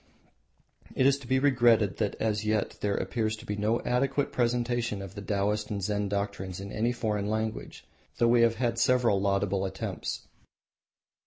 It is to be regretted that as yet there appears to be no adequate presentation of the Taoists and Zen doctrines in any foreign language, though we have had several laudable attempts.